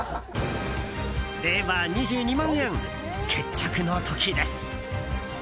では２２万円、決着の時です。